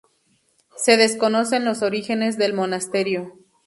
Se desconocen los orígenes del monasterio.